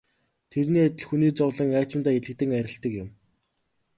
Тэрний адил хүний зовлон аажимдаа элэгдэн арилдаг юм.